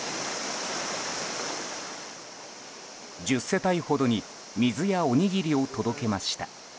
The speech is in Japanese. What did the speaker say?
１０世帯ほどに水やおにぎりを届けました。